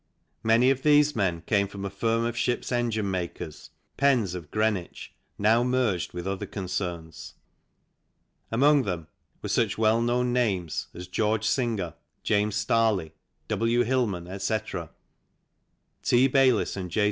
Many of these men came from a firm of ships engine makers, Penn's, of Greenwich, now merged with other concerns. Among them were such well known names as George Singer, James Starley, W. Hillman, etc. T. Bayliss and J.